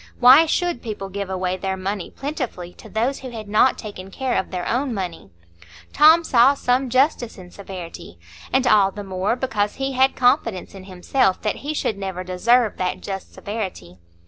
Why should people give away their money plentifully to those who had not taken care of their own money? Tom saw some justice in severity; and all the more, because he had confidence in himself that he should never deserve that just severity.